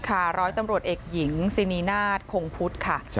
ร้อยตำรวจเอกหญิงซินีนาฏคงพุทธค่ะ